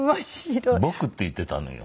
「僕」って言っていたのよ。